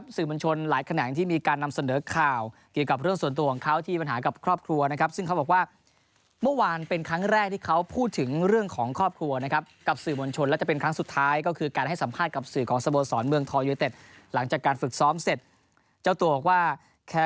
สื่อมวลชนหลายแขนงที่มีการนำเสนอข่าวเกี่ยวกับเรื่องส่วนตัวของเขาที่มีปัญหากับครอบครัวนะครับซึ่งเขาบอกว่าเมื่อวานเป็นครั้งแรกที่เขาพูดถึงเรื่องของครอบครัวนะครับกับสื่อมวลชนและจะเป็นครั้งสุดท้ายก็คือการให้สัมภาษณ์กับสื่อของสโมสรเมืองทอยูเต็ดหลังจากการฝึกซ้อมเสร็จเจ้าตัวบอกว่าแค